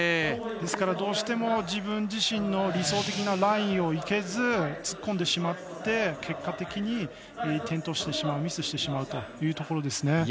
ですから、どうしても自分自身の理想的なラインをいけず突っ込んでしまって結果的に転倒してしまう、ミスしてしまうというところですね。